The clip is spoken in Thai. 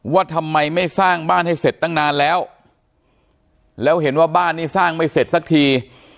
ว่าทำไมไม่สร้างบ้านให้เสร็จตั้งนานแล้วแล้วเห็นว่าบ้านนี้สร้างไม่เสร็จสักที